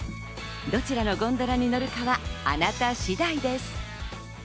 どちらのゴンドラに乗るかは、あなた次第です。